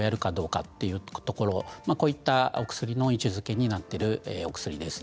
こういったお薬の位置づけになっているお薬です。